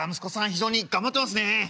非常に頑張ってますね」。